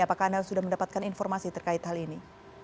apakah anda sudah mendapatkan informasi terkait hal ini